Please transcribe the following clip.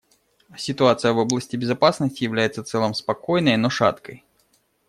Ситуация в области безопасности является в целом спокойной, но шаткой.